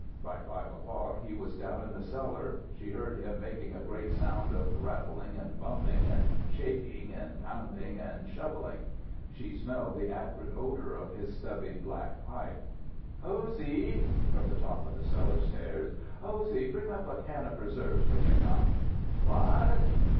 By five o'clock he was down in the cellar. She heard him making a great sound of rattling and bumping and shaking and pounding and shoveling. She smelled the acrid odour of his stubby black pipe. "Hosey!" from the top of the cellar stairs. "Hosey bring up a can of preserves when you come." "What?"